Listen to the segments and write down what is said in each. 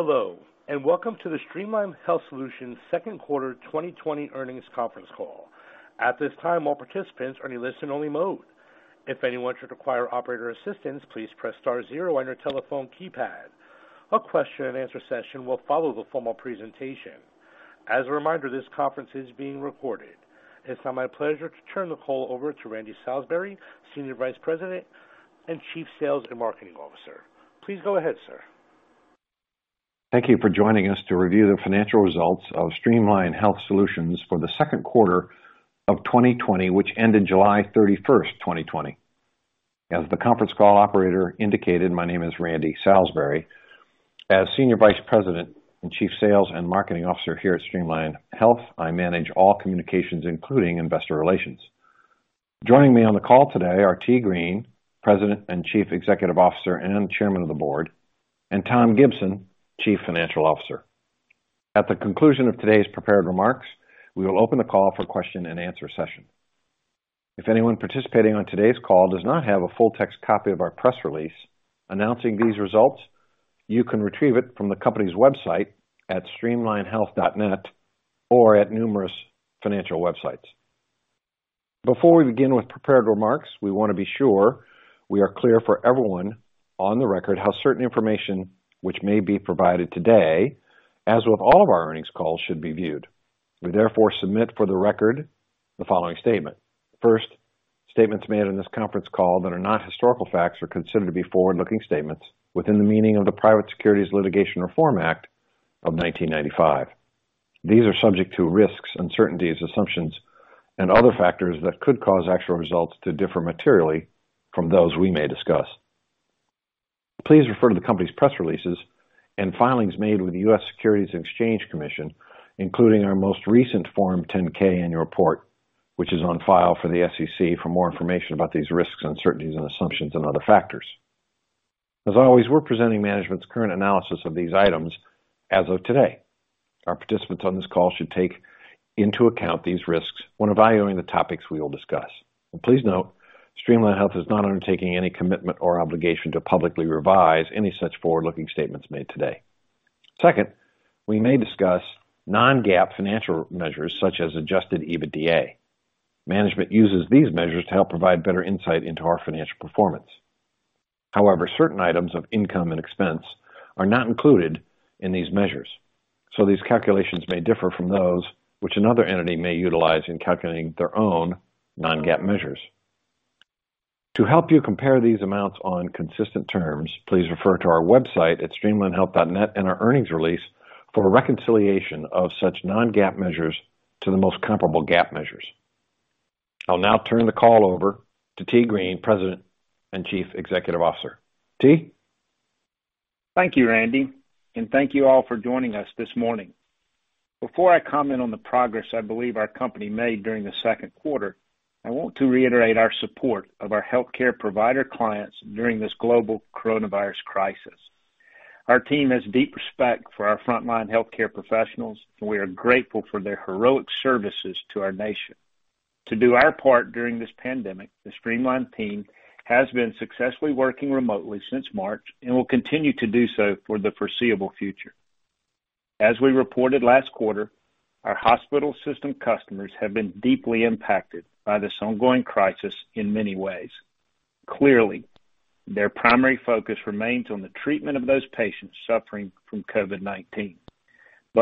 Hello, and welcome to the Streamline Health Solutions second quarter 2020 earnings conference call. It's now my pleasure to turn the call over to Randy Salisbury, Senior Vice President and Chief Sales and Marketing Officer. Please go ahead, sir. Thank you for joining us to review the financial results of Streamline Health Solutions for the second quarter of 2020, which ended July 31st, 2020. As the conference call operator indicated, my name is Randy Salisbury. As Senior Vice President and Chief Sales and Marketing Officer here at Streamline Health, I manage all communications, including investor relations. Joining me on the call today are T. Green, President and Chief Executive Officer, and Chairman of the Board, and Tom Gibson, Chief Financial Officer. At the conclusion of today's prepared remarks, we will open the call for question and answer session. If anyone participating on today's call does not have a full text copy of our press release announcing these results, you can retrieve it from the company's website at streamlinehealth.net or at numerous financial websites. Before we begin with prepared remarks, we want to be sure we are clear for everyone on the record how certain information which may be provided today, as with all of our earnings calls, should be viewed. We therefore submit for the record the following statement. First, statements made on this conference call that are not historical facts are considered to be forward-looking statements within the meaning of the Private Securities Litigation Reform Act of 1995. These are subject to risks, uncertainties, assumptions, and other factors that could cause actual results to differ materially from those we may discuss. Please refer to the company's press releases and filings made with the U.S. Securities and Exchange Commission, including our most recent Form 10-K annual report, which is on file for the SEC for more information about these risks, uncertainties, and assumptions and other factors. As always, we're presenting management's current analysis of these items as of today. Our participants on this call should take into account these risks when evaluating the topics we will discuss. Please note, Streamline Health is not undertaking any commitment or obligation to publicly revise any such forward-looking statements made today. Second, we may discuss non-GAAP financial measures such as adjusted EBITDA. Management uses these measures to help provide better insight into our financial performance. However, certain items of income and expense are not included in these measures, so these calculations may differ from those which another entity may utilize in calculating their own non-GAAP measures. To help you compare these amounts on consistent terms, please refer to our website at streamlinehealth.net and our earnings release for a reconciliation of such non-GAAP measures to the most comparable GAAP measures. I'll now turn the call over to T. Green, President and Chief Executive Officer. T.? Thank you, Randy, and thank you all for joining us this morning. Before I comment on the progress I believe our company made during the second quarter, I want to reiterate our support of our healthcare provider clients during this global coronavirus crisis. Our team has deep respect for our frontline healthcare professionals. We are grateful for their heroic services to our nation. To do our part during this pandemic, the Streamline team has been successfully working remotely since March and will continue to do so for the foreseeable future. As we reported last quarter, our hospital system customers have been deeply impacted by this ongoing crisis in many ways. Clearly, their primary focus remains on the treatment of those patients suffering from COVID-19.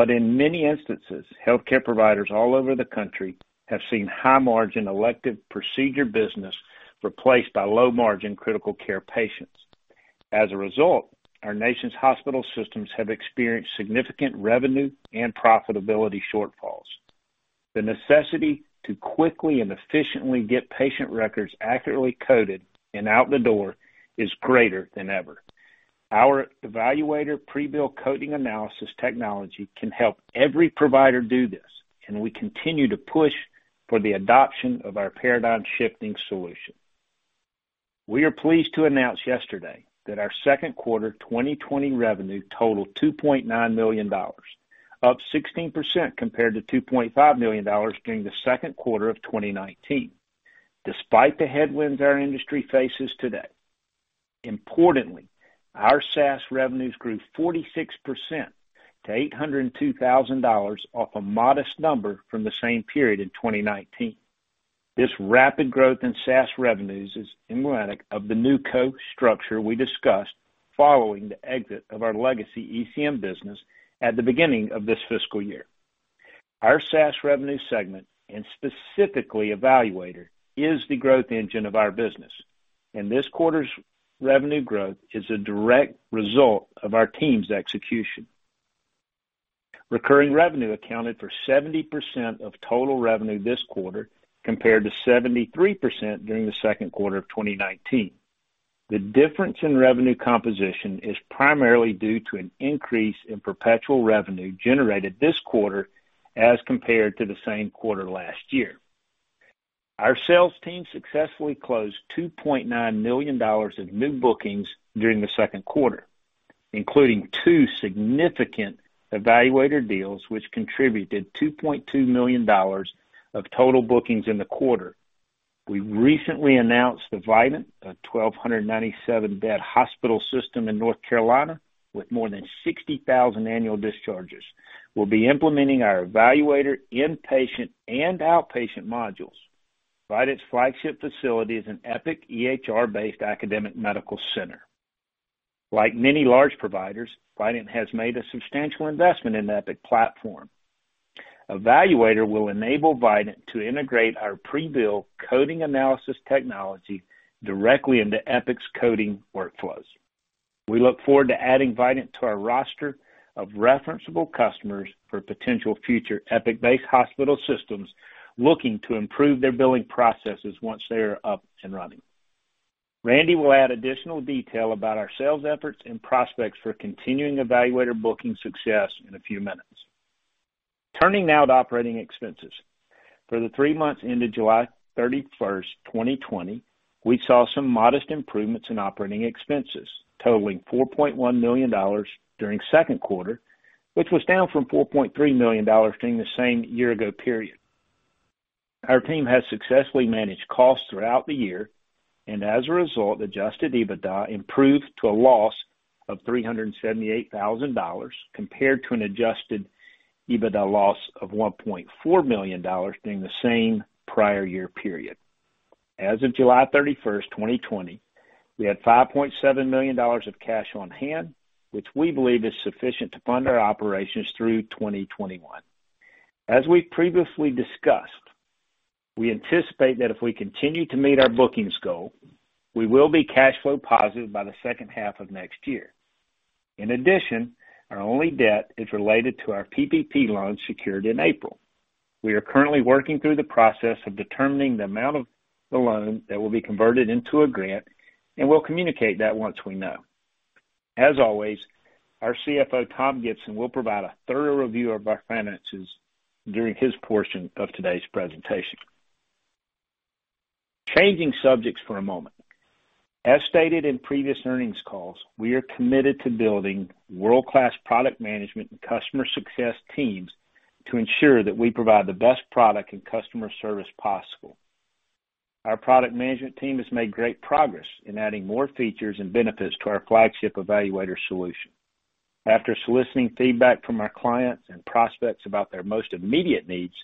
In many instances, healthcare providers all over the country have seen high margin elective procedure business replaced by low margin critical care patients. As a result, our nation's hospital systems have experienced significant revenue and profitability shortfalls. The necessity to quickly and efficiently get patient records accurately coded and out the door is greater than ever. Our eValuator pre-bill coding analysis technology can help every provider do this, and we continue to push for the adoption of our paradigm shifting solution. We are pleased to announce yesterday that our second quarter 2020 revenue totaled $2.9 million, up 16% compared to $2.5 million during the second quarter of 2019, despite the headwinds our industry faces today. Importantly, our SaaS revenues grew 46% to $802,000 off a modest number from the same period in 2019. This rapid growth in SaaS revenues is emblematic of the new cost structure we discussed following the exit of our legacy ECM business at the beginning of this fiscal year. Our SaaS revenue segment, and specifically eValuator, is the growth engine of our business, and this quarter's revenue growth is a direct result of our team's execution. Recurring revenue accounted for 70% of total revenue this quarter, compared to 73% during the second quarter of 2019. The difference in revenue composition is primarily due to an increase in perpetual revenue generated this quarter as compared to the same quarter last year. Our sales team successfully closed $2.9 million of new bookings during the second quarter, including two significant eValuator deals which contributed $2.2 million of total bookings in the quarter. We recently announced that Vidant, a 1,297-bed hospital system in North Carolina with more than 60,000 annual discharges, will be implementing our eValuator inpatient and outpatient modules. Vidant's flagship facility is an Epic EHR-based academic medical center. Like many large providers, Vidant has made a substantial investment in the Epic platform. eValuator will enable Vidant to integrate our pre-bill coding analysis technology directly into Epic's coding workflows. We look forward to adding Vidant to our roster of referenceable customers for potential future Epic-based hospital systems looking to improve their billing processes once they are up and running. Randy will add additional detail about our sales efforts and prospects for continuing eValuator booking success in a few minutes. Turning now to operating expenses. For the three months ended July 31, 2020, we saw some modest improvements in operating expenses, totaling $4.1 million during second quarter, which was down from $4.3 million during the same year ago period. Our team has successfully managed costs throughout the year, and as a result, adjusted EBITDA improved to a loss of $378,000 compared to an adjusted EBITDA loss of $1.4 million during the same prior year period. As of July 31st, 2020, we had $5.7 million of cash on hand, which we believe is sufficient to fund our operations through 2021. As we previously discussed, we anticipate that if we continue to meet our bookings goal, we will be cash flow positive by the second half of next year. In addition, our only debt is related to our PPP loan secured in April. We are currently working through the process of determining the amount of the loan that will be converted into a grant, and we'll communicate that once we know. As always, our CFO, Tom Gibson, will provide a thorough review of our finances during his portion of today's presentation. Changing subjects for a moment. As stated in previous earnings calls, we are committed to building world-class product management and customer success teams to ensure that we provide the best product and customer service possible. Our product management team has made great progress in adding more features and benefits to our flagship eValuator solution. After soliciting feedback from our clients and prospects about their most immediate needs,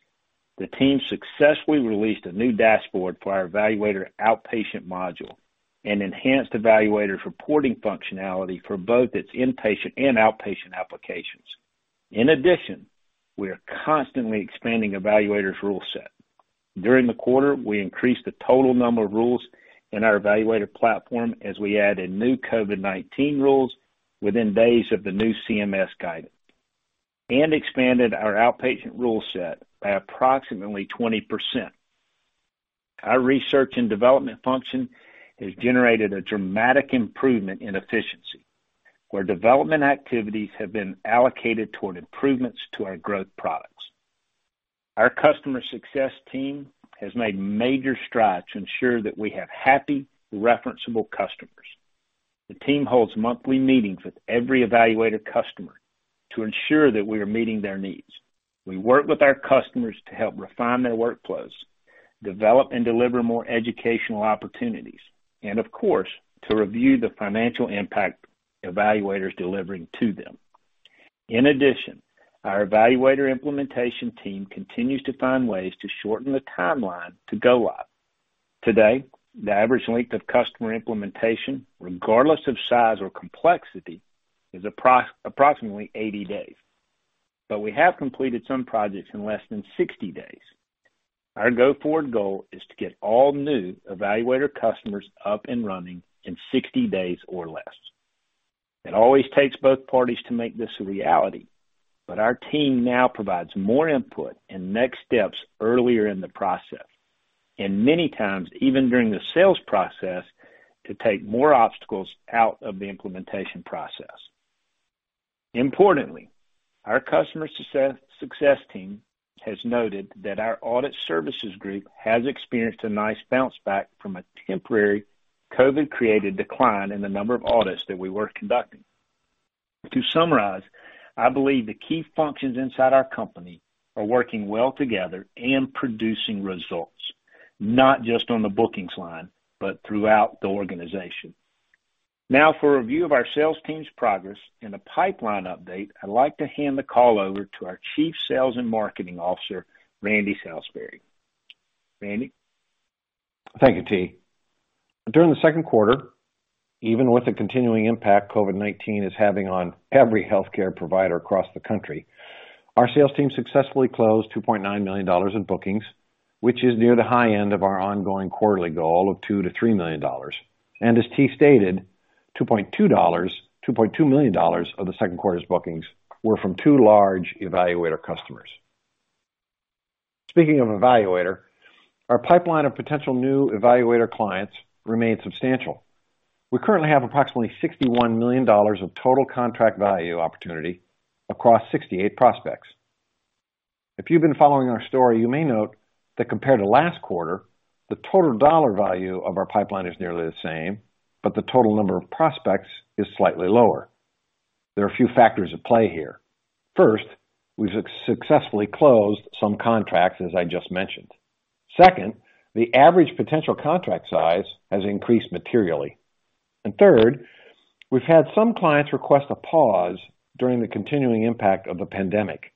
the team successfully released a new dashboard for our eValuator outpatient module and enhanced eValuator's reporting functionality for both its inpatient and outpatient applications. In addition, we are constantly expanding eValuator's rule set. During the quarter, we increased the total number of rules in our eValuator platform as we added new COVID-19 rules within days of the new CMS guidance and expanded our outpatient rule set by approximately 20%. Our research and development function has generated a dramatic improvement in efficiency, where development activities have been allocated toward improvements to our growth products. Our customer success team has made major strides to ensure that we have happy, referenceable customers. The team holds monthly meetings with every eValuator customer to ensure that we are meeting their needs. We work with our customers to help refine their workflows, develop and deliver more educational opportunities, and of course, to review the financial impact eValuator's delivering to them. In addition, our eValuator implementation team continues to find ways to shorten the timeline to go live. Today, the average length of customer implementation, regardless of size or complexity, is approximately 80 days. We have completed some projects in less than 60 days. Our go-forward goal is to get all new eValuator customers up and running in 60 days or less. It always takes both parties to make this a reality, but our team now provides more input and next steps earlier in the process, and many times even during the sales process, to take more obstacles out of the implementation process. Importantly, our customer success team has noted that our audit services group has experienced a nice bounce back from a temporary COVID-created decline in the number of audits that we were conducting. To summarize, I believe the key functions inside our company are working well together and producing results, not just on the bookings line, but throughout the organization. For a review of our sales team's progress and a pipeline update, I'd like to hand the call over to our Chief Sales and Marketing Officer, Randy Salisbury. Randy? Thank you, T. During the second quarter, even with the continuing impact COVID-19 is having on every healthcare provider across the country, our sales team successfully closed $2.9 million in bookings, which is near the high end of our ongoing quarterly goal of $2 million-$3 million. As T stated, $2.2 million of the second quarter's bookings were from two large eValuator customers. Speaking of eValuator, our pipeline of potential new eValuator clients remains substantial. We currently have approximately $61 million of total contract value opportunity across 68 prospects. If you've been following our story, you may note that compared to last quarter, the total dollar value of our pipeline is nearly the same, but the total number of prospects is slightly lower. There are a few factors at play here. First, we've successfully closed some contracts, as I just mentioned. Second, the average potential contract size has increased materially. Third, we've had some clients request a pause during the continuing impact of the pandemic,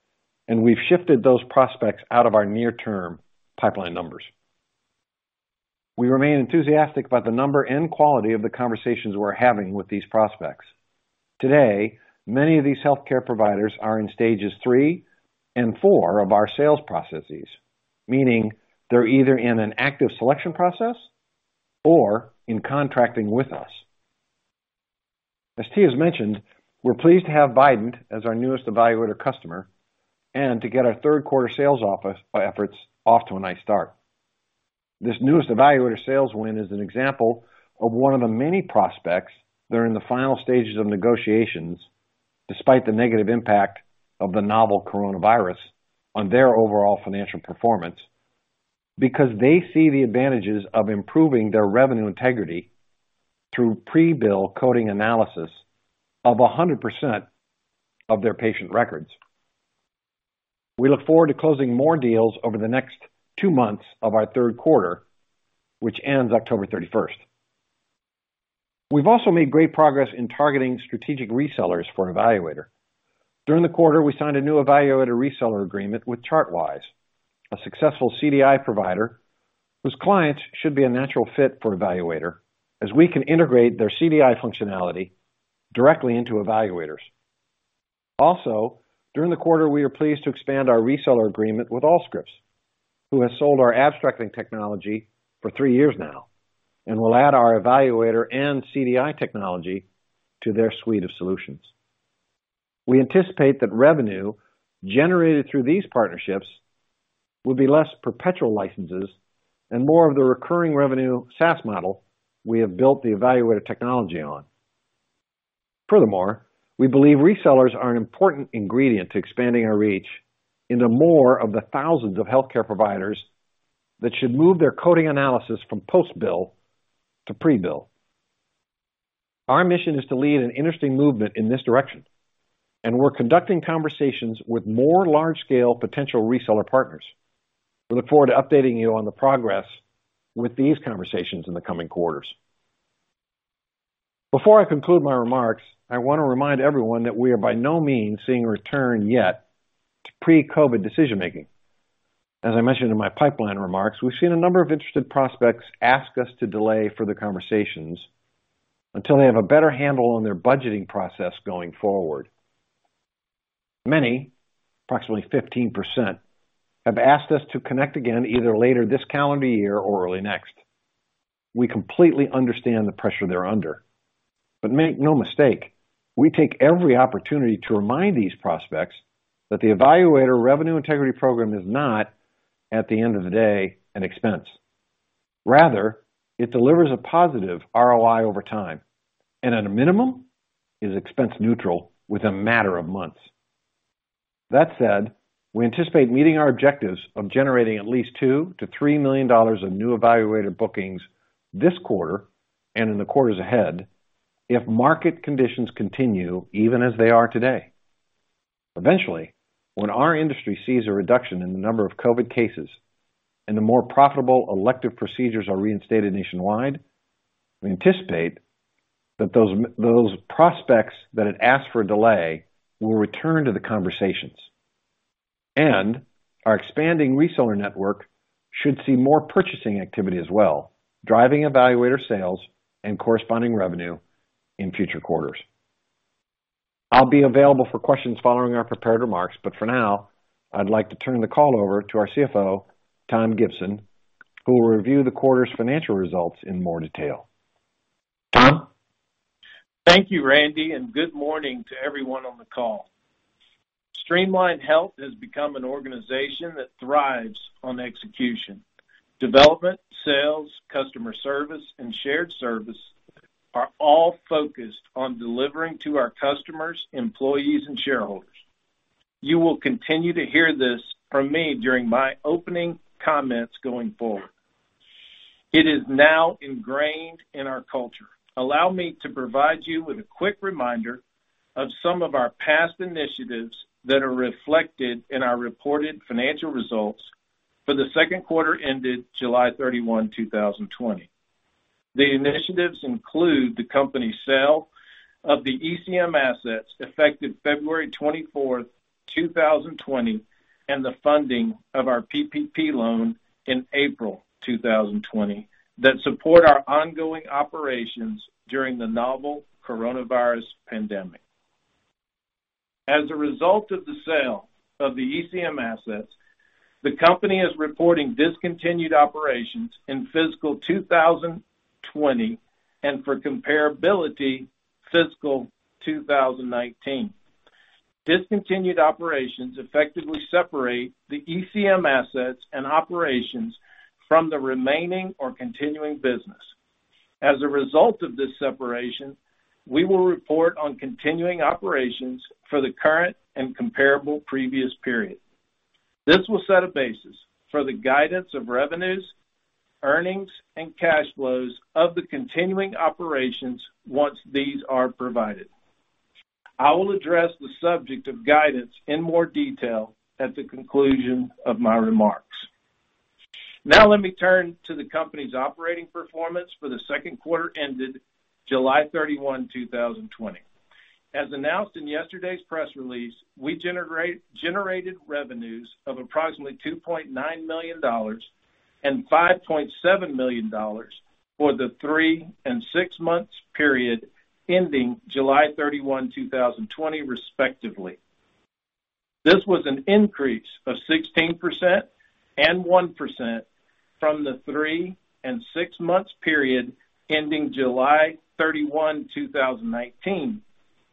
and we've shifted those prospects out of our near-term pipeline numbers. We remain enthusiastic about the number and quality of the conversations we're having with these prospects. Today, many of these healthcare providers are in stages three and four of our sales processes, meaning they're either in an active selection process or in contracting with us. As T. has mentioned, we're pleased to have Vidant as our newest eValuator customer and to get our third quarter sales efforts off to a nice start. This newest eValuator sales win is an example of one of the many prospects that are in the final stages of negotiations despite the negative impact of the novel coronavirus on their overall financial performance because they see the advantages of improving their revenue integrity through pre-bill coding analysis of 100% of their patient records. We look forward to closing more deals over the next two months of our third quarter, which ends October 31st. We've also made great progress in targeting strategic resellers for eValuator. During the quarter, we signed a new eValuator reseller agreement with ChartWise, a successful CDI provider whose clients should be a natural fit for eValuator, as we can integrate their CDI functionality directly into eValuator's. Also, during the quarter, we are pleased to expand our reseller agreement with Allscripts, who has sold our abstracting technology for three years now and will add our eValuator and CDI technology to their suite of solutions. We anticipate that revenue generated through these partnerships will be less perpetual licenses and more of the recurring revenue SaaS model we have built the eValuator technology on. Furthermore, we believe resellers are an important ingredient to expanding our reach into more of the thousands of healthcare providers that should move their coding analysis from post-bill to pre-bill. Our mission is to lead an industry movement in this direction, and we're conducting conversations with more large-scale potential reseller partners. We look forward to updating you on the progress with these conversations in the coming quarters. Before I conclude my remarks, I want to remind everyone that we are by no means seeing a return yet to pre-COVID-19 decision making. As I mentioned in my pipeline remarks, we've seen a number of interested prospects ask us to delay further conversations until they have a better handle on their budgeting process going forward. Many, approximately 15%, have asked us to connect again either later this calendar year or early next. We completely understand the pressure they're under, but make no mistake, we take every opportunity to remind these prospects that the eValuator revenue integrity program is not, at the end of the day, an expense. Rather, it delivers a positive ROI over time, and at a minimum, is expense neutral within a matter of months. That said, we anticipate meeting our objectives of generating at least $2 million-$3 million of new eValuator bookings this quarter and in the quarters ahead if market conditions continue even as they are today. Eventually, when our industry sees a reduction in the number of COVID cases and the more profitable elective procedures are reinstated nationwide, we anticipate that those prospects that had asked for a delay will return to the conversations, and our expanding reseller network should see more purchasing activity as well, driving eValuator sales and corresponding revenue in future quarters. I'll be available for questions following our prepared remarks, for now, I'd like to turn the call over to our CFO, Tom Gibson, who will review the quarter's financial results in more detail. Tom? Thank you, Randy, and good morning to everyone on the call. Streamline Health has become an organization that thrives on execution. Development, sales, customer service, and shared service are all focused on delivering to our customers, employees, and shareholders. You will continue to hear this from me during my opening comments going forward. It is now ingrained in our culture. Allow me to provide you with a quick reminder of some of our past initiatives that are reflected in our reported financial results for the second quarter ended July 31, 2020. The initiatives include the company's sale of the ECM assets effective February 24, 2020, and the funding of our PPP loan in April 2020 that support our ongoing operations during the novel coronavirus pandemic. As a result of the sale of the ECM assets, the company is reporting discontinued operations in fiscal 2020 and for comparability, fiscal 2019. Discontinued operations effectively separate the ECM assets and operations from the remaining or continuing business. As a result of this separation, we will report on continuing operations for the current and comparable previous period. This will set a basis for the guidance of revenues, earnings, and cash flows of the continuing operations once these are provided. I will address the subject of guidance in more detail at the conclusion of my remarks. Let me turn to the company's operating performance for the second quarter ended July 31, 2020. As announced in yesterday's press release, we generated revenues of approximately $2.9 million and $5.7 million for the three and six months period ending July 31, 2020, respectively. This was an increase of 16% and 1% from the three and six months period ending July 31, 2019,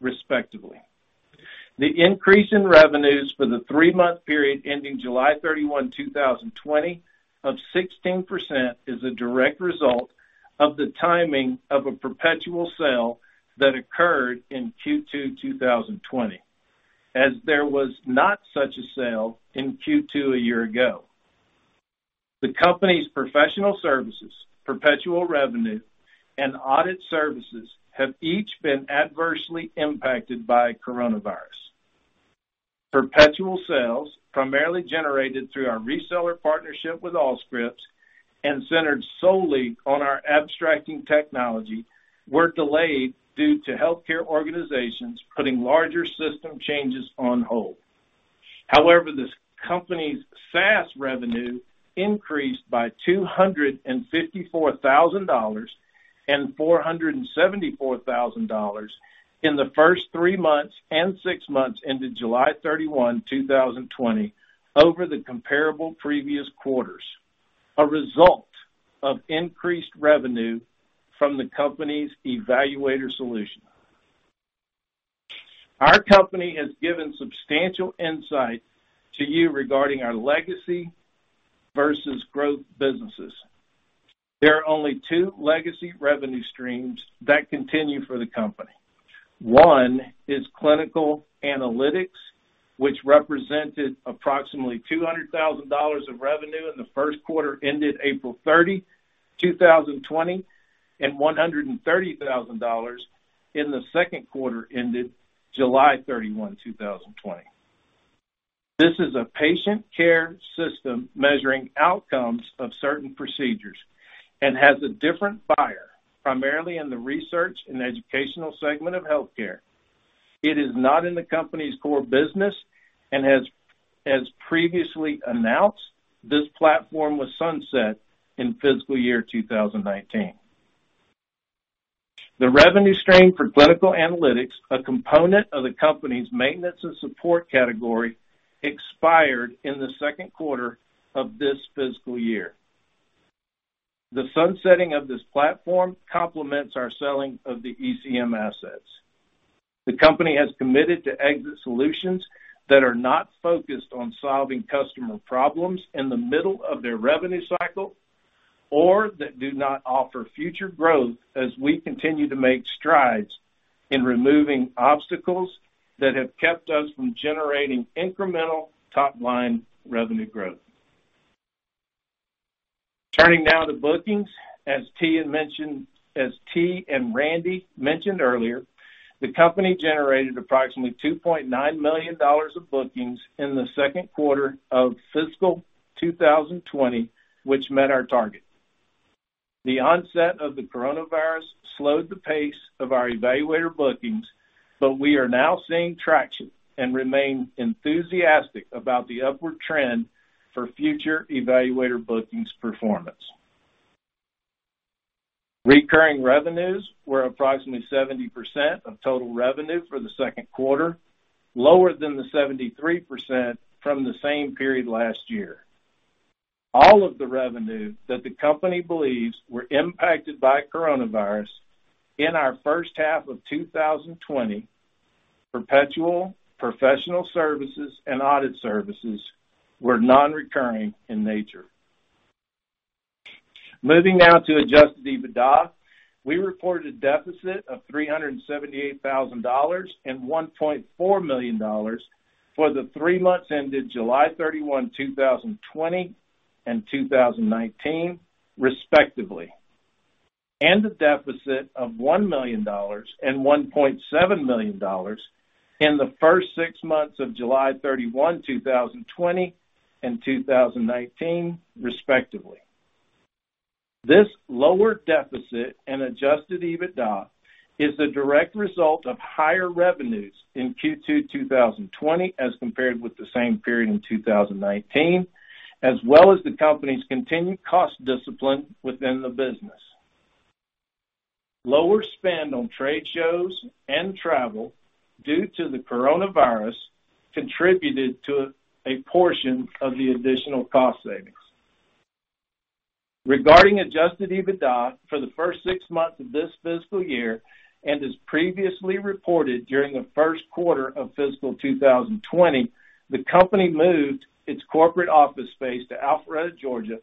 respectively. The increase in revenues for the three-month period ending July 31, 2020 of 16% is a direct result of the timing of a perpetual sale that occurred in Q2 2020, as there was not such a sale in Q2 a year ago. The company's professional services, perpetual revenue, and audit services have each been adversely impacted by coronavirus. Perpetual sales, primarily generated through our reseller partnership with Allscripts and centered solely on our abstracting technology, were delayed due to healthcare organizations putting larger system changes on hold. However, this company's SaaS revenue increased by $254,000 and $474,000 in the first three months and six months ended July 31, 2020 over the comparable previous quarters, a result of increased revenue from the company's eValuator solution. Our company has given substantial insight to you regarding our legacy versus growth businesses. There are only two legacy revenue streams that continue for the company. One is Clinical Analytics, which represented approximately $200,000 of revenue in the first quarter, ended April 30, 2020, and $130,000 in the second quarter, ended July 31, 2020. This is a patient care system measuring outcomes of certain procedures and has a different buyer, primarily in the research and educational segment of healthcare. It is not in the company's core business and as previously announced, this platform was sunset in fiscal year 2019. The revenue stream for Clinical Analytics, a component of the company's maintenance and support category, expired in the second quarter of this fiscal year. The sunsetting of this platform complements our selling of the ECM assets. The company has committed to exit solutions that are not focused on solving customer problems in the middle of their revenue cycle, or that do not offer future growth as we continue to make strides in removing obstacles that have kept us from generating incremental top-line revenue growth. Turning now to bookings, as T. Green and Randy mentioned earlier, the company generated approximately $2.9 million of bookings in the second quarter of fiscal 2020, which met our target. We are now seeing traction and remain enthusiastic about the upward trend for future eValuator bookings performance. Recurring revenues were approximately 70% of total revenue for the second quarter, lower than the 73% from the same period last year. All of the revenue that the company believes were impacted by coronavirus in our first half of 2020, perpetual, professional services, and audit services were non-recurring in nature. Moving now to adjusted EBITDA. We reported a deficit of $378,000 and $1.4 million for the three months ended July 31, 2020 and 2019, respectively, and a deficit of $1 million and $1.7 million in the first six months of July 31, 2020 and 2019, respectively. This lower deficit and adjusted EBITDA is the direct result of higher revenues in Q2 2020 as compared with the same period in 2019, as well as the company's continued cost discipline within the business. Lower spend on trade shows and travel due to the coronavirus contributed to a portion of the additional cost savings. Regarding adjusted EBITDA for the first six months of this fiscal year, and as previously reported during the first quarter of fiscal 2020, the company moved its corporate office space to Alpharetta, Georgia.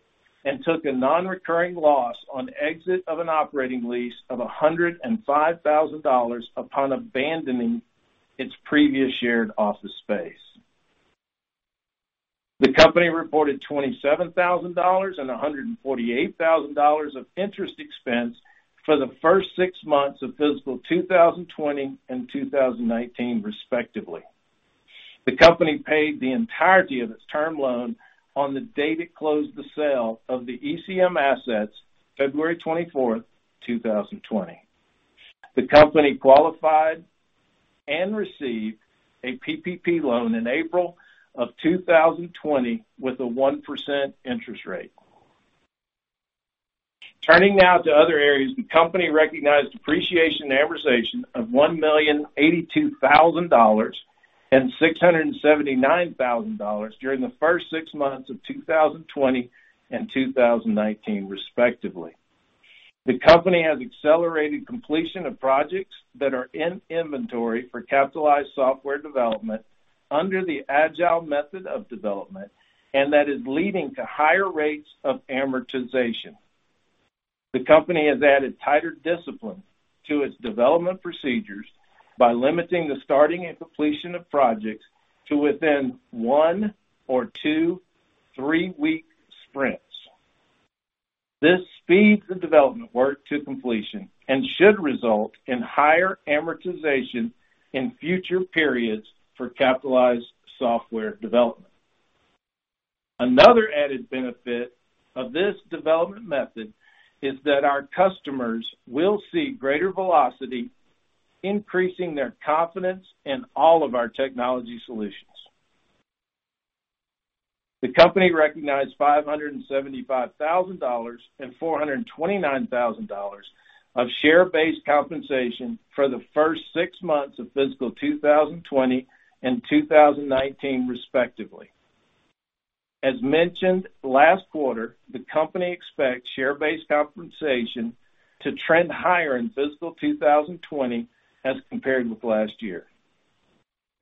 The company took a non-recurring loss on exit of an operating lease of $105,000 upon abandoning its previous shared office space. The company reported $27,000 and $148,000 of interest expense for the first six months of fiscal 2020 and 2019, respectively. The company paid the entirety of its term loan on the date it closed the sale of the ECM assets, February 24th, 2020. The company qualified and received a PPP loan in April of 2020 with a 1% interest rate. Turning now to other areas, the company recognized depreciation and amortization of $1,082,000 and $679,000 during the first six months of 2020 and 2019, respectively. The company has accelerated completion of projects that are in inventory for capitalized software development under the agile method of development, and that is leading to higher rates of amortization. The company has added tighter discipline to its development procedures by limiting the starting and completion of projects to within one or two three-week sprints. This speeds the development work to completion and should result in higher amortization in future periods for capitalized software development. Another added benefit of this development method is that our customers will see greater velocity, increasing their confidence in all of our technology solutions. The company recognized $575,000 and $429,000 of share-based compensation for the first six months of fiscal 2020 and 2019, respectively. As mentioned last quarter, the company expects share-based compensation to trend higher in fiscal 2020 as compared with last year.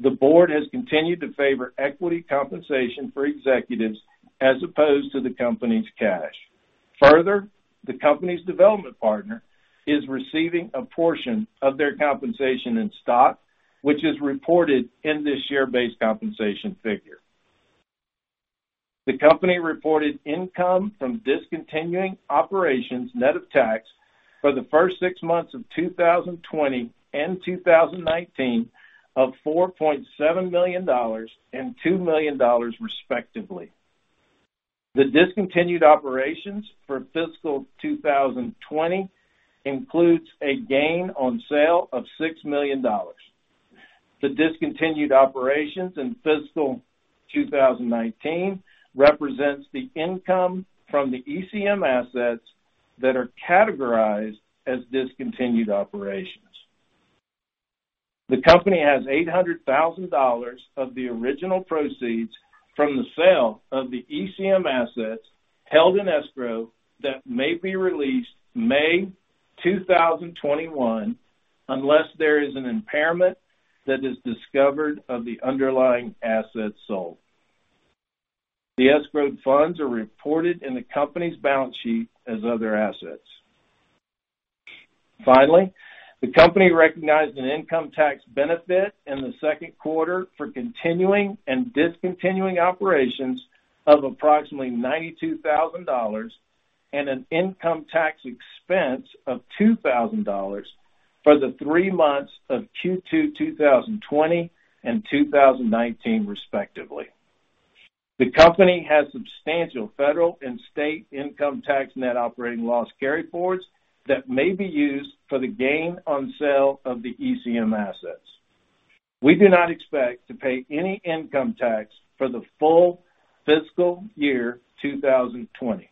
The board has continued to favor equity compensation for executives as opposed to the company's cash. Further, the company's development partner is receiving a portion of their compensation in stock, which is reported in this year-based compensation figure. The company reported income from discontinued operations net of tax for the first six months of 2020 and 2019 of $4.7 million and $2 million, respectively. The discontinued operations for fiscal 2020 includes a gain on sale of $6 million. The discontinued operations in fiscal 2019 represents the income from the ECM assets that are categorized as discontinued operations. The company has $800,000 of the original proceeds from the sale of the ECM assets held in escrow that may be released May 2021, unless there is an impairment that is discovered of the underlying assets sold. The escrowed funds are reported in the company's balance sheet as other assets. Finally, the company recognized an income tax benefit in the second quarter for continuing and discontinued operations of approximately $92,000 and an income tax expense of $2,000 for the three months of Q2 2020 and 2019, respectively. The company has substantial federal and state income tax net operating loss carryforwards that may be used for the gain on sale of the ECM assets. We do not expect to pay any income tax for the full fiscal year 2020.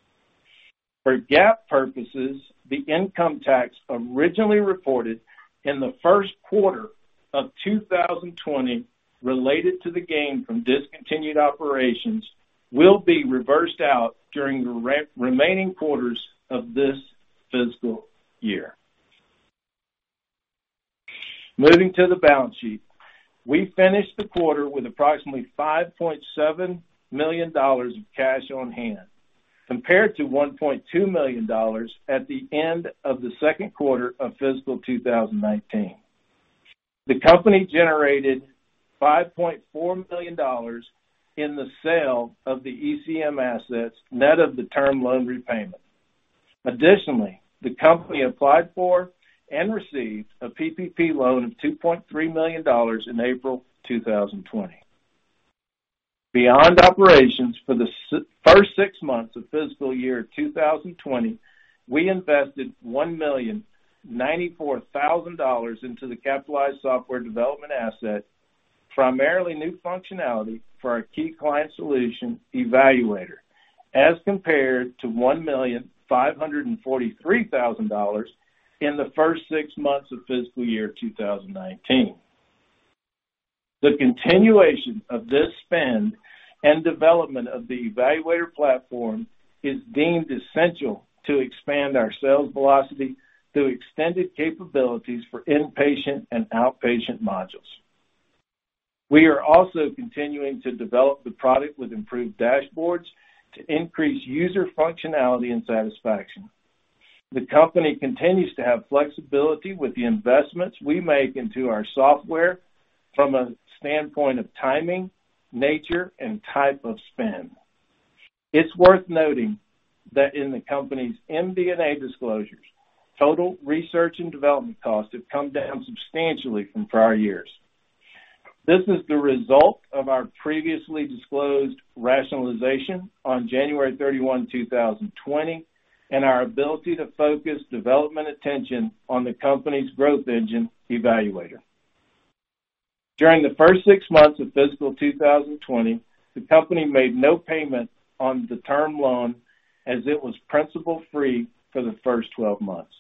For GAAP purposes, the income tax originally reported in the first quarter of 2020 related to the gain from discontinued operations will be reversed out during the remaining quarters of this fiscal year. Moving to the balance sheet. We finished the quarter with approximately $5.7 million of cash on hand, compared to $1.2 million at the end of the second quarter of fiscal 2019. The company generated $5.4 million in the sale of the ECM assets net of the term loan repayment. Additionally, the company applied for and received a PPP loan of $2.3 million in April 2020. Beyond operations for the first six months of fiscal year 2020, we invested $1,094,000 into the capitalized software development asset, primarily new functionality for our key client solution eValuator, as compared to $1,543,000 in the first six months of fiscal year 2019. The continuation of this spend and development of the eValuator platform is deemed essential to expand our sales velocity through extended capabilities for inpatient and outpatient modules. We are also continuing to develop the product with improved dashboards to increase user functionality and satisfaction. The company continues to have flexibility with the investments we make into our software from a standpoint of timing, nature, and type of spend. It's worth noting that in the company's MD&A disclosures, total research and development costs have come down substantially from prior years. This is the result of our previously disclosed rationalization on January 31, 2020, and our ability to focus development attention on the company's growth engine, eValuator. During the first six months of fiscal 2020, the company made no payment on the term loan as it was principal-free for the first 12 months.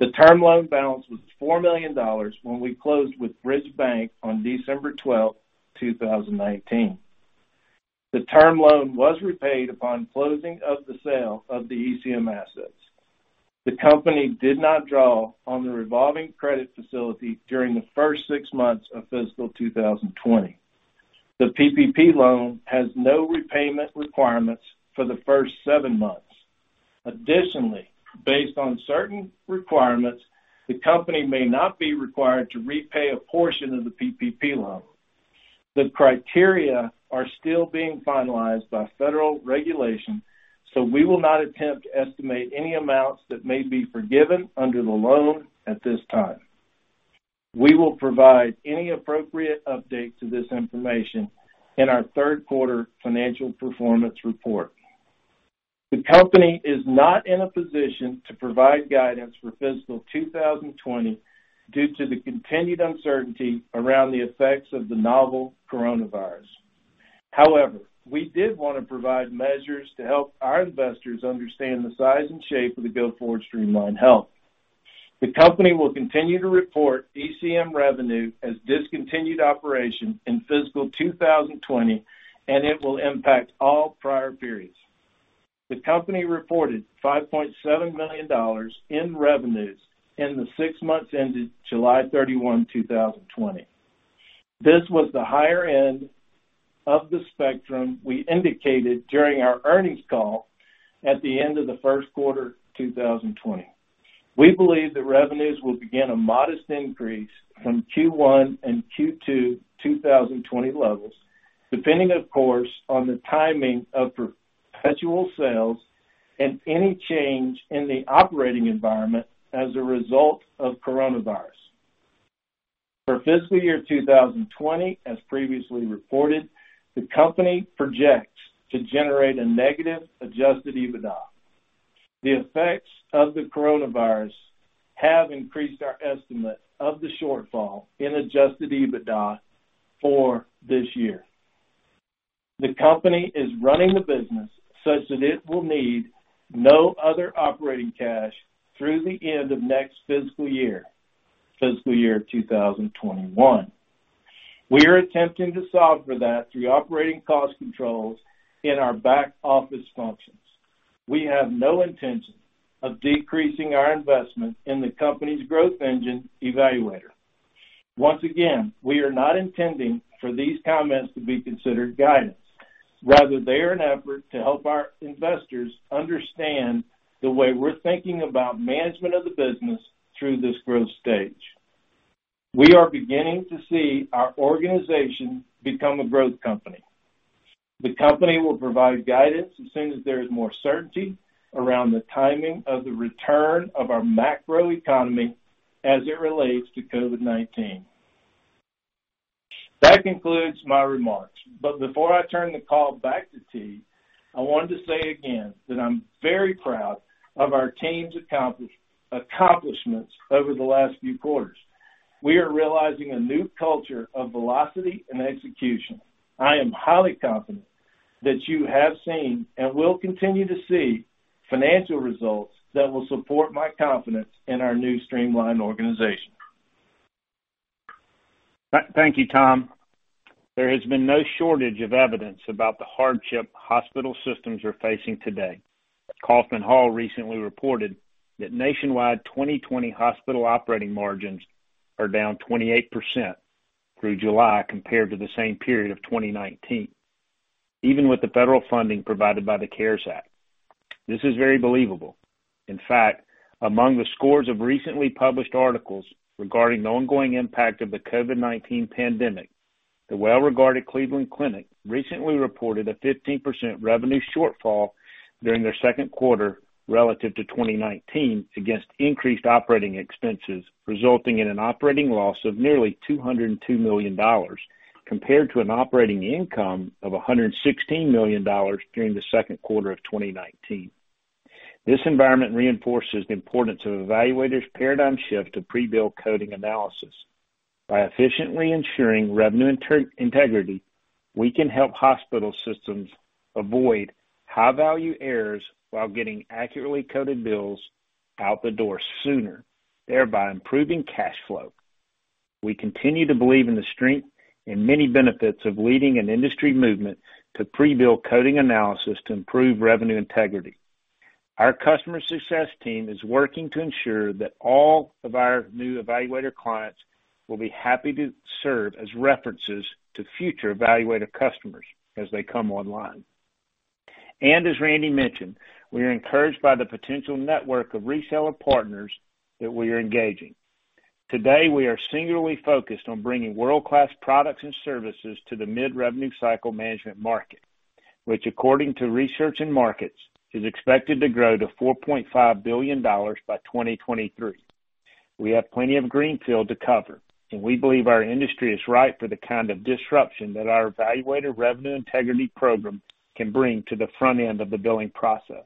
The term loan balance was $4 million when we closed with Bridge Bank on December 12, 2019. The term loan was repaid upon closing of the sale of the ECM assets. The company did not draw on the revolving credit facility during the first six months of fiscal 2020. The PPP loan has no repayment requirements for the first seven months. Additionally, based on certain requirements, the company may not be required to repay a portion of the PPP loan. The criteria are still being finalized by federal regulation, so we will not attempt to estimate any amounts that may be forgiven under the loan at this time. We will provide any appropriate update to this information in our third quarter financial performance report. The company is not in a position to provide guidance for fiscal 2020 due to the continued uncertainty around the effects of the novel coronavirus. However, we did want to provide measures to help our investors understand the size and shape of the go-forward Streamline Health. The company will continue to report ECM revenue as discontinued operation in fiscal 2020, and it will impact all prior periods. The company reported $5.7 million in revenues in the six months ended July 31, 2020. This was the higher end of the spectrum we indicated during our earnings call at the end of the first quarter 2020. We believe that revenues will begin a modest increase from Q1 and Q2 2020 levels, depending, of course, on the timing of perpetual sales and any change in the operating environment as a result of coronavirus. For fiscal year 2020, as previously reported, the company projects to generate a negative adjusted EBITDA. The effects of the coronavirus have increased our estimate of the shortfall in adjusted EBITDA for this year. The company is running the business such that it will need no other operating cash through the end of next fiscal year, fiscal year 2021. We are attempting to solve for that through operating cost controls in our back-office functions. We have no intention of decreasing our investment in the company's growth engine, eValuator. Once again, we are not intending for these comments to be considered guidance. Rather, they are an effort to help our investors understand the way we're thinking about management of the business through this growth stage. We are beginning to see our organization become a growth company. The company will provide guidance as soon as there is more certainty around the timing of the return of our macroeconomy as it relates to COVID-19. That concludes my remarks, but before one turn the call back to T, I wanted to say again that I'm very proud of our team's accomplishments over the last few quarters. We are realizing a new culture of velocity and execution. I am highly confident that you have seen and will continue to see financial results that will support my confidence in our new streamlined organization. Thank you, Tom. There has been no shortage of evidence about the hardship hospital systems are facing today. Kaufman Hall recently reported that nationwide 2020 hospital operating margins are down 28% through July compared to the same period of 2019, even with the federal funding provided by the CARES Act. This is very believable. In fact, among the scores of recently published articles regarding the ongoing impact of the COVID-19 pandemic, the well-regarded Cleveland Clinic recently reported a 15% revenue shortfall during their second quarter relative to 2019 against increased operating expenses, resulting in an operating loss of nearly $202 million, compared to an operating income of $116 million during the second quarter of 2019. This environment reinforces the importance of eValuator's paradigm shift to pre-bill coding analysis. By efficiently ensuring revenue integrity, we can help hospital systems avoid high-value errors while getting accurately coded bills out the door sooner, thereby improving cash flow. We continue to believe in the strength and many benefits of leading an industry movement to pre-bill coding analysis to improve revenue integrity. Our customer success team is working to ensure that all of our new eValuator clients will be happy to serve as references to future eValuator customers as they come online. As Randy mentioned, we are encouraged by the potential network of reseller partners that we are engaging. Today, we are singularly focused on bringing world-class products and services to the mid-revenue cycle management market, which according to Research and Markets, is expected to grow to $4.5 billion by 2023. We have plenty of greenfield to cover, and we believe our industry is ripe for the kind of disruption that our eValuator revenue integrity program can bring to the front end of the billing process.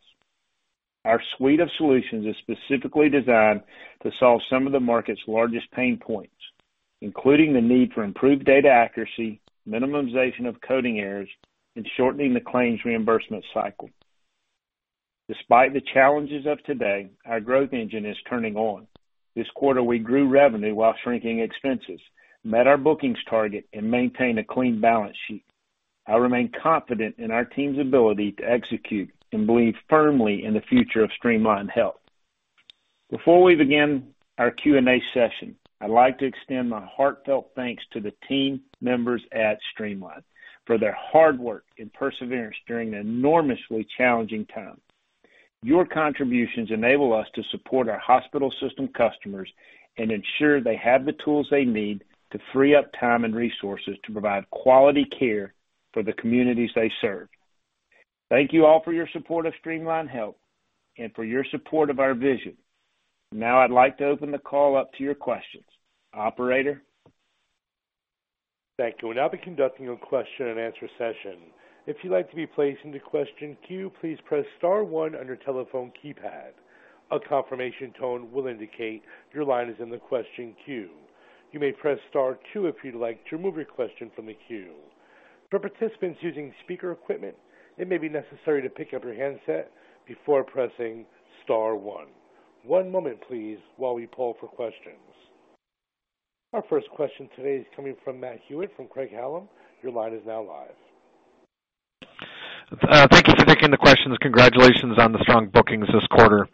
Our suite of solutions is specifically designed to solve some of the market's largest pain points, including the need for improved data accuracy, minimization of coding errors, and shortening the claims reimbursement cycle. Despite the challenges of today, our growth engine is turning on. This quarter, we grew revenue while shrinking expenses, met our bookings target, and maintained a clean balance sheet. I remain confident in our team's ability to execute and believe firmly in the future of Streamline Health. Before we begin our Q&A session, I'd like to extend my heartfelt thanks to the team members at Streamline for their hard work and perseverance during an enormously challenging time. Your contributions enable us to support our hospital system customers and ensure they have the tools they need to free up time and resources to provide quality care for the communities they serve. Thank you all for your support of Streamline Health and for your support of our vision. Now I'd like to open the call up to your questions. Operator? Thank you. We'll now be conducting a question and answer session. If you'd like to be placed into question queue, please press star one on your telephone keypad. A confirmation tone will indicate your line is in the question queue. You may press star two if you'd like to remove your question from the queue. For participants using speaker equipment, it may be necessary to pick up your handset before pressing star one. One moment please, while we poll for questions. Our first question today is coming from Matt Hewitt from Craig-Hallum. Your line is now live. Thank you for taking the questions. Congratulations on the strong bookings this quarter.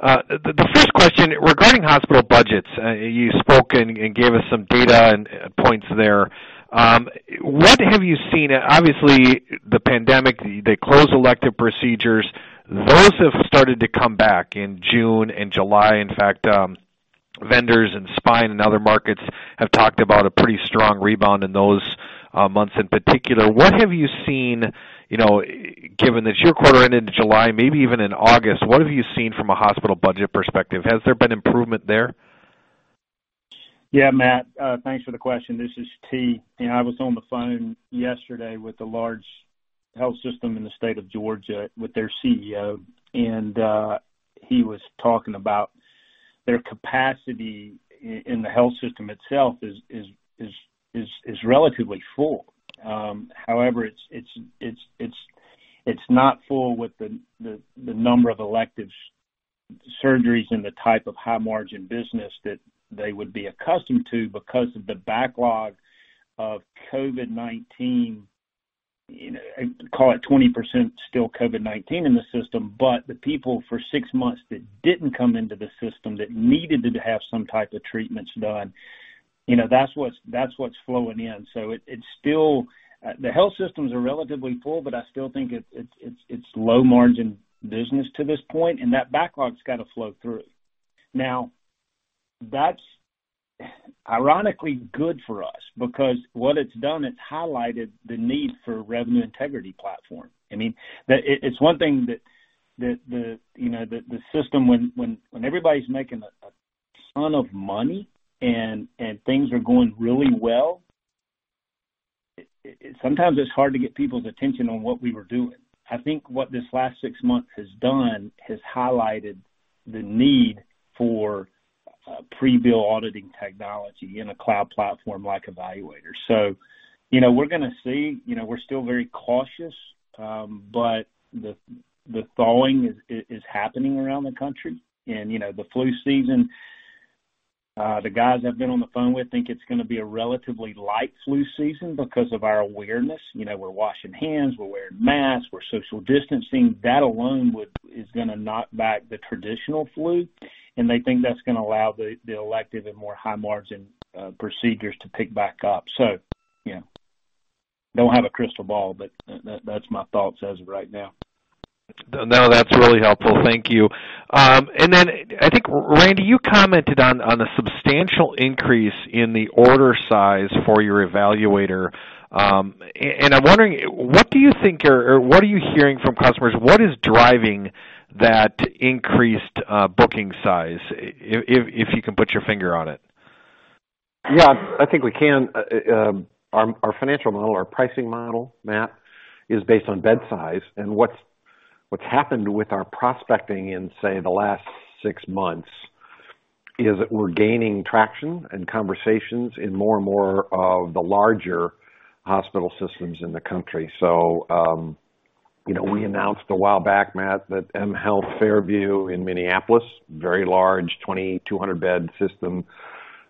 The first question, regarding hospital budgets, you spoke and gave us some data and points there. What have you seen? Obviously, the pandemic, they closed elective procedures. Those have started to come back in June and July. In fact, vendors in spine and other markets have talked about a pretty strong rebound in those months in particular. What have you seen, given that your quarter ended in July, maybe even in August, what have you seen from a hospital budget perspective? Has there been improvement there? Yeah, Matt, thanks for the question. This is T. I was on the phone yesterday with a large health system in the state of Georgia with their CEO, and he was talking about their capacity in the health system itself is relatively full. However, it's not full with the number of elective surgeries and the type of high margin business that they would be accustomed to because of the backlog of COVID-19, call it 20% still COVID-19 in the system. The people for six months that didn't come into the system that needed to have some type of treatments done, that's what's flowing in. The health systems are relatively full, but I still think it's low margin business to this point, and that backlog's got to flow through. Now, that's ironically good for us because what it's done, it's highlighted the need for revenue integrity platform. It's one thing that the system, when everybody's making a ton of money and things are going really well, sometimes it's hard to get people's attention on what we were doing. I think what this last six months has done has highlighted the need for pre-bill auditing technology in a cloud platform like eValuator. We're going to see. We're still very cautious, but the thawing is happening around the country and the flu season, the guys I've been on the phone with think it's going to be a relatively light flu season because of our awareness. We're washing hands, we're wearing masks, we're social distancing. That alone is going to knock back the traditional flu, and they think that's going to allow the elective and more high margin procedures to pick back up. Don't have a crystal ball, but that's my thoughts as of right now. No, that's really helpful. Thank you. I think, Randy, you commented on a substantial increase in the order size for your eValuator, and I'm wondering, what do you think or what are you hearing from customers? What is driving that increased booking size, if you can put your finger on it? Yeah, I think we can. Our financial model, our pricing model, Matt, is based on bed size. What's happened with our prospecting in, say, the last six months is we're gaining traction and conversations in more and more of the larger hospital systems in the country. We announced a while back, Matt, that M Health Fairview in Minneapolis, very large 2,200-bed system,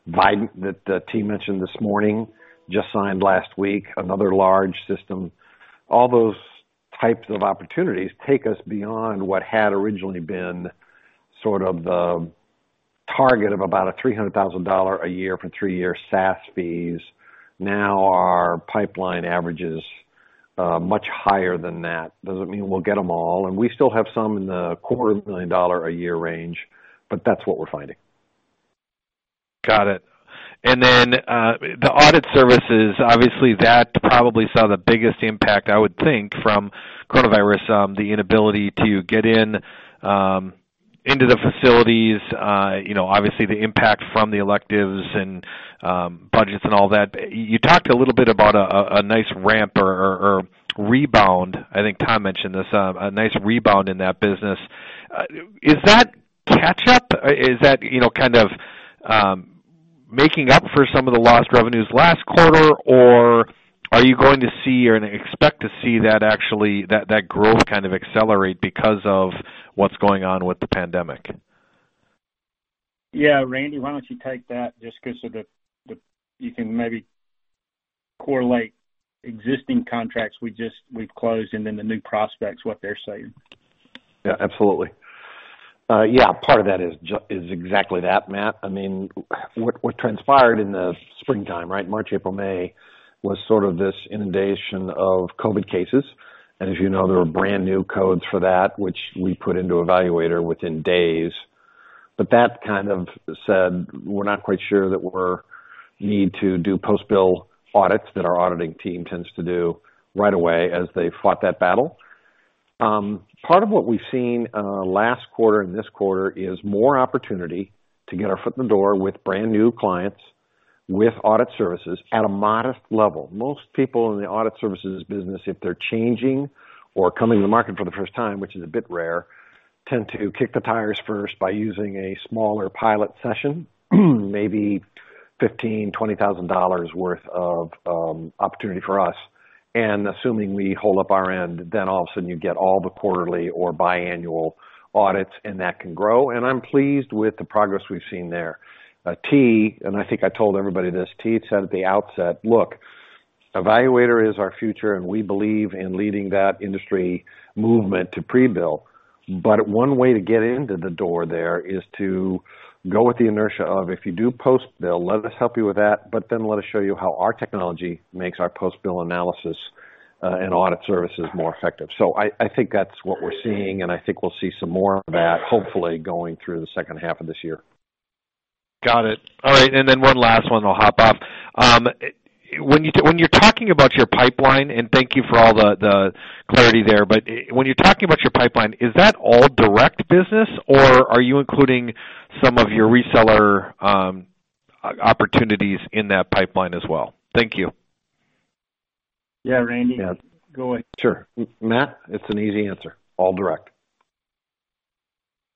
that T. mentioned this morning, just signed last week, another large system. All those types of opportunities take us beyond what had originally been sort of the target of about a $300,000 a year for three-year SaaS fees. Our pipeline average is much higher than that. Doesn't mean we'll get them all, and we still have some in the quarter of a million dollar a year range, but that's what we're finding. Got it. The audit services, obviously that probably saw the biggest impact, I would think, from coronavirus, the inability to get into the facilities. Obviously the impact from the electives and budgets and all that. You talked a little bit about a nice ramp or rebound. I think Tom mentioned this, a nice rebound in that business. Is that catch-up? Is that kind of making up for some of the lost revenues last quarter? Or are you going to see or expect to see that actually, that growth kind of accelerate because of what's going on with the pandemic? Yeah. Randy, why don't you take that, just because you can maybe correlate existing contracts we've closed and then the new prospects, what they're saying. Absolutely. Part of that is exactly that, Matt. What transpired in the springtime, March, April, May, was sort of this inundation of COVID cases. As you know, there were brand-new codes for that, which we put into eValuator within days. That kind of said, we're not quite sure that we need to do post-bill audits that our auditing team tends to do right away as they fought that battle. Part of what we've seen last quarter and this quarter is more opportunity to get our foot in the door with brand-new clients with audit services at a modest level. Most people in the audit services business, if they're changing or coming to the market for the first time, which is a bit rare, tend to kick the tires first by using a smaller pilot session, maybe 15, $20,000 worth of opportunity for us. Assuming we hold up our end, then all of a sudden you get all the quarterly or biannual audits, and that can grow. I'm pleased with the progress we've seen there. T, and I think I told everybody this, T said at the outset, "Look, eValuator is our future and we believe in leading that industry movement to pre-bill." One way to get into the door there is to go with the inertia of, if you do post-bill, let us help you with that, but then let us show you how our technology makes our post-bill analysis and audit services more effective. I think that's what we're seeing, and I think we'll see some more of that, hopefully, going through the second half of this year. Got it. All right, one last one and I'll hop off. When you're talking about your pipeline, and thank you for all the clarity there, but when you're talking about your pipeline, is that all direct business or are you including some of your reseller opportunities in that pipeline as well? Thank you. Yeah, Randy. Yeah. Go ahead. Sure. Matt, it's an easy answer. All direct.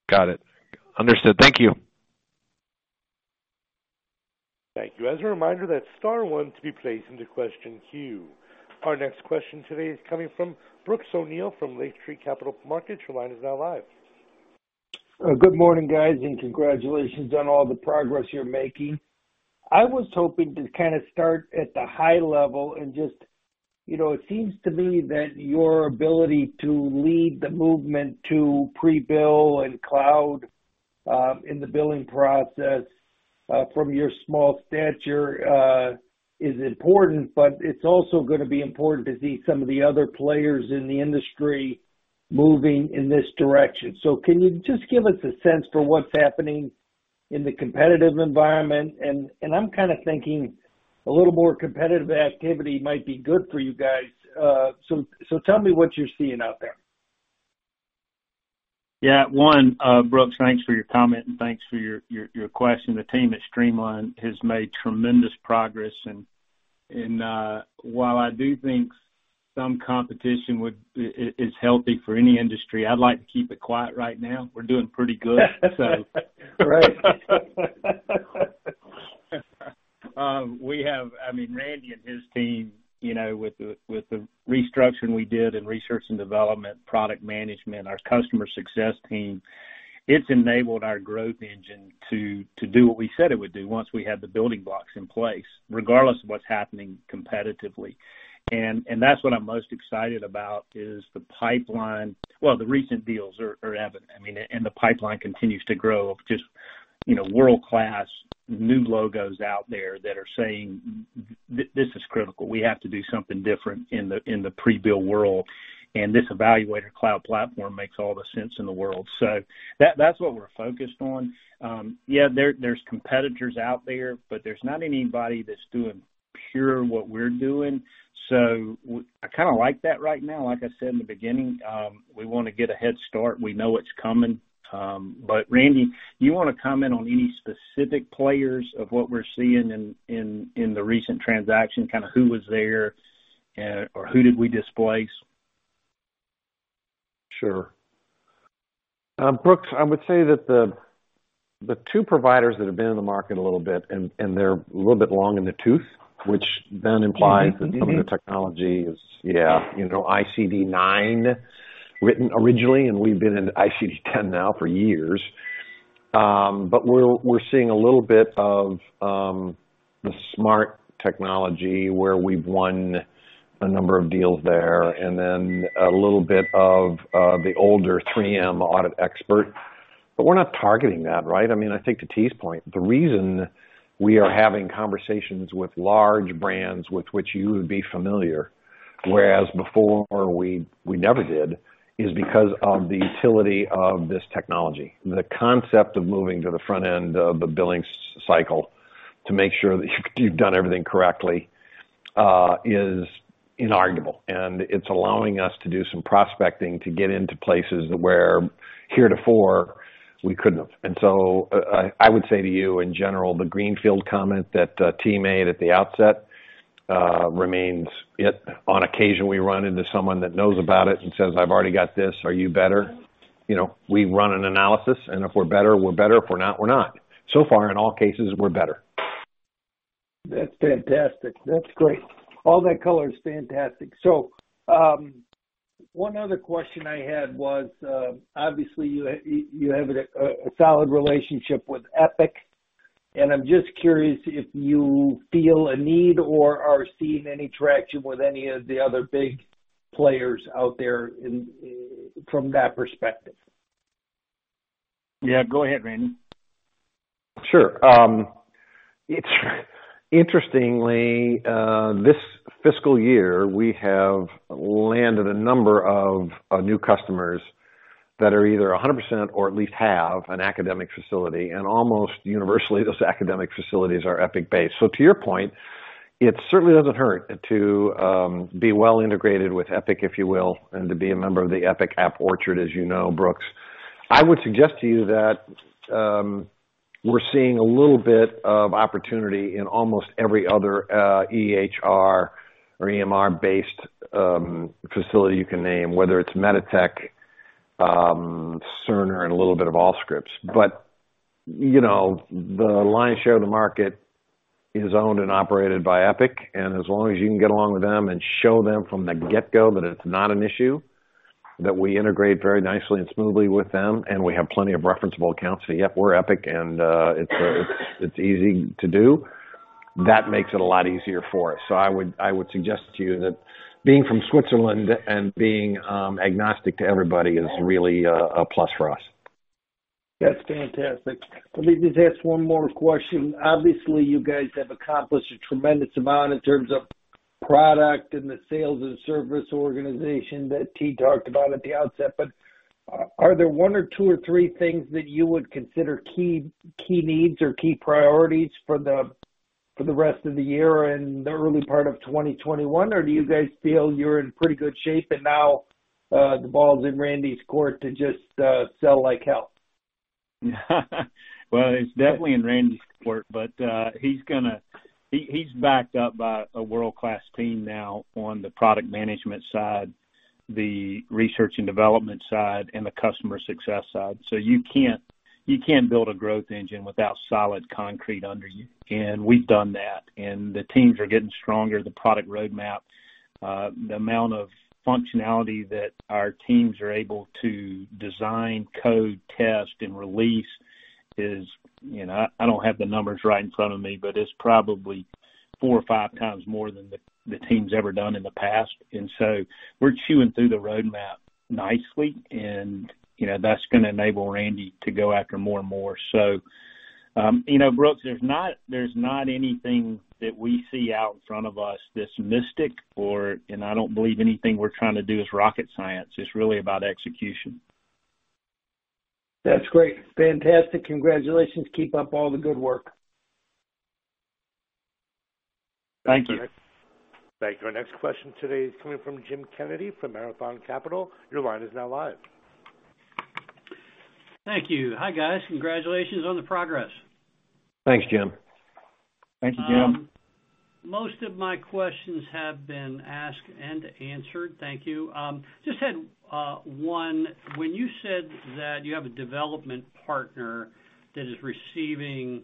Got it. Understood. Thank you. Thank you. As a reminder, that's star one to be placed into question queue. Our next question today is coming from Brooks O'Neil from Lake Street Capital Markets. Your line is now live. Good morning, guys, and congratulations on all the progress you're making. I was hoping to kind of start at the high level and just, it seems to me that your ability to lead the movement to pre-bill and cloud in the billing process, from your small stature, is important, but it's also going to be important to see some of the other players in the industry moving in this direction. Can you just give us a sense for what's happening in the competitive environment? I'm kind of thinking a little more competitive activity might be good for you guys. Tell me what you're seeing out there. Yeah. One, Brooks, thanks for your comment and thanks for your question. The team at Streamline has made tremendous progress and while I do think some competition is healthy for any industry, I'd like to keep it quiet right now. We're doing pretty good. Great. We have, Randy and his team, with the restructuring we did in research and development, product management, our customer success team, it's enabled our growth engine to do what we said it would do once we had the building blocks in place, regardless of what's happening competitively. That's what I'm most excited about is the pipeline. Well, the recent deals are evident and the pipeline continues to grow of just world-class new logos out there that are saying, "This is critical. We have to do something different in the pre-bill world, and this eValuator cloud platform makes all the sense in the world." That's what we're focused on. Yeah, there's competitors out there, but there's not anybody that's doing pure what we're doing. I kind of like that right now. Like I said in the beginning, we want to get a head start. We know it's coming. Randy, do you want to comment on any specific players of what we're seeing in the recent transaction, kind of who was there or who did we displace? Sure. Brooks, I would say that the two providers that have been in the market a little bit, and they're a little bit long in the tooth, which then implies that some of the technology is- Yeah. Yeah, ICD-9 originally, we've been in ICD-10 now for years. We're seeing a little bit of the smart technology where we've won a number of deals there, and then a little bit of the older 3M Audit Expert. We're not targeting that, right? I think to T.'s point, the reason we are having conversations with large brands with which you would be familiar, whereas before we never did, is because of the utility of this technology. The concept of moving to the front end of the billing cycle to make sure that you've done everything correctly is inarguable. It's allowing us to do some prospecting to get into places where heretofore we couldn't have. I would say to you, in general, the greenfield comment that T. made at the outset remains it. On occasion, we run into someone that knows about it and says, "I've already got this. Are you better?" We run an analysis, and if we're better, we're better. If we're not, we're not. So far, in all cases, we're better. That's fantastic. That's great. All that color is fantastic. One other question I had was, obviously you have a solid relationship with Epic, and I'm just curious if you feel a need or are seeing any traction with any of the other big players out there in, from that perspective. Yeah, go ahead, Randy. Sure. Interestingly, this fiscal year, we have landed a number of new customers that are either 100% or at least have an academic facility, and almost universally, those academic facilities are Epic-based. To your point, it certainly doesn't hurt to be well-integrated with Epic, if you will, and to be a member of the Epic App Orchard, as you know, Brooks. I would suggest to you that we're seeing a little bit of opportunity in almost every other EHR or EMR-based facility you can name, whether it's MEDITECH, Cerner, and a little bit of Allscripts. The lion's share of the market is owned and operated by Epic, and as long as you can get along with them and show them from the get-go that it's not an issue, that we integrate very nicely and smoothly with them, and we have plenty of referenceable accounts. Yep, we're Epic, and it's easy to do. That makes it a lot easier for us. I would suggest to you that being from Switzerland and being agnostic to everybody is really a plus for us. That's fantastic. Let me just ask one more question. Obviously, you guys have accomplished a tremendous amount in terms of product and the sales and service organization that T. talked about at the outset, but are there one or two or three things that you would consider key needs or key priorities for the rest of the year and the early part of 2021? Do you guys feel you're in pretty good shape, and now the ball's in Randy's court to just sell like hell? It's definitely in Randy's court, but he's backed up by a world-class team now on the product management side, the research and development side, and the customer success side. You can't build a growth engine without solid concrete under you. We've done that, and the teams are getting stronger. The product roadmap, the amount of functionality that our teams are able to design, code, test, and release is I don't have the numbers right in front of me, but it's probably four or five times more than the team's ever done in the past. We're chewing through the roadmap nicely, and that's going to enable Randy to go after more and more. Brooks, there's not anything that we see out in front of us that's mystic or, and I don't believe anything we're trying to do is rocket science. It's really about execution. That's great. Fantastic. Congratulations. Keep up all the good work. Thank you. Thank you. Thank you. Our next question today is coming from James Kennedy from Marathon Capital. Your line is now live. Thank you. Hi, guys. Congratulations on the progress. Thanks, James. Thank you, James. Most of my questions have been asked and answered. Thank you. Just had one. When you said that you have a development partner that is receiving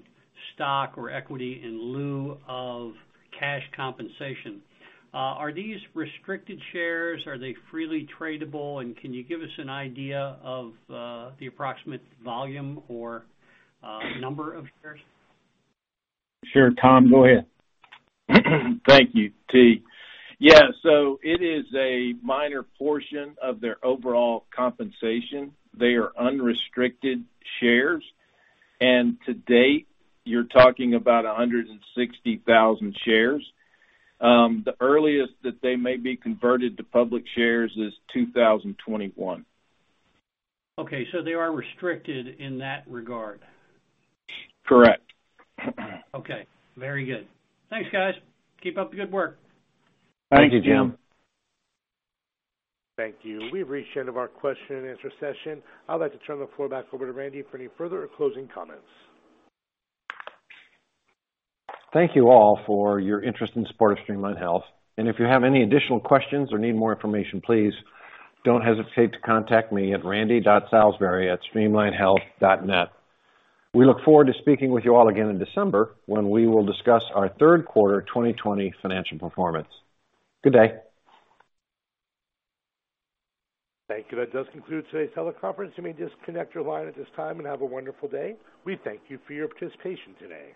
stock or equity in lieu of cash compensation, are these restricted shares? Are they freely tradable? Can you give us an idea of the approximate volume or number of shares? Sure, Tom, go ahead. Thank you, T. It is a minor portion of their overall compensation. They are unrestricted shares, and to date, you're talking about 160,000 shares. The earliest that they may be converted to public shares is 2021. Okay, they are restricted in that regard? Correct. Okay. Very good. Thanks, guys. Keep up the good work. Thank you, James. Thanks, James. Thank you. We've reached the end of our question and answer session. I'd like to turn the floor back over to Randy for any further closing comments. Thank you all for your interest and support of Streamline Health. If you have any additional questions or need more information, please don't hesitate to contact me at randy.salisbury@streamlinehealth.net. We look forward to speaking with you all again in December when we will discuss our third quarter 2020 financial performance. Good day. Thank you. That does conclude today's teleconference. You may disconnect your line at this time and have a wonderful day. We thank you for your participation today.